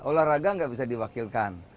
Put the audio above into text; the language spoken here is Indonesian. olahraga enggak bisa diwakilkan